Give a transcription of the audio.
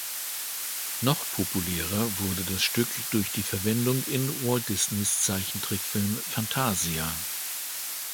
Noch populärer wurde das Stück durch die Verwendung in Walt Disneys Zeichentrickfilm "Fantasia".